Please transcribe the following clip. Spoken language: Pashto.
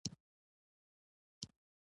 ګړد په پيسو پسې ورک دي